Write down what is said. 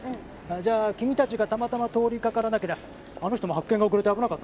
じゃあ君たちがたまたま通りかからなけりゃあの人も発見が遅れて危なかったね。